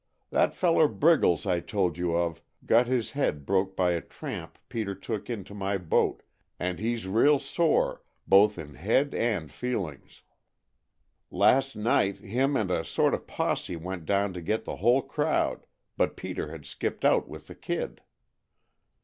That feller Briggles I told you of got his head broke by a tramp Peter took into my boat, and he's real sore, both in head and feelings. Last night him and a sort of posse went down to get the whole crowd, but Peter had skipped out with the kid."